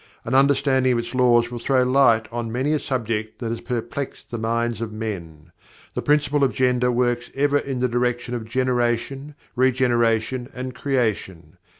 An understanding of its laws will throw light on many a subject that has perplexed the minds of men. The Principle of Gender works ever in the direction of generation, regeneration, and creation.